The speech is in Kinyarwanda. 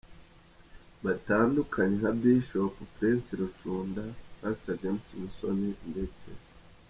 batandukanye nka Bishop Prince Rucunda, Pastor James Musoni ndetse